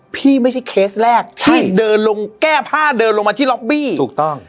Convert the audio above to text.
ไม่ใช่เคสแรกใช่ที่เดินลงแก้ผ้าเดินลงมาที่ล็อบบี้ถูกต้อง